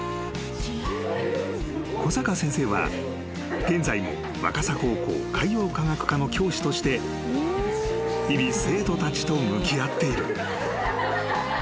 ［小坂先生は現在も若狭高校海洋科学科の教師として日々生徒たちと向き合っている］